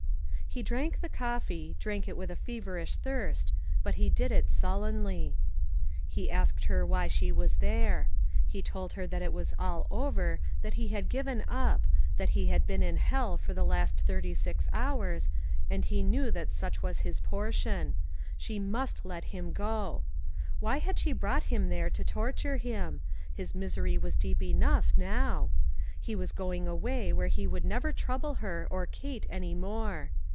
He drank the coffee, drank it with a feverish thirst, but he did it sullenly. He 5O8 ONE COMMONPLACE DAY. asked her why she was there. He told her that all was over; that he had given up; that he had been in hell for the last thirty six hours, and he knew that such was his portion. She must let him go. Why had she brought him there to torture him ? His misery was deep enough now. He was going away where he would never trouble her or Kate any more.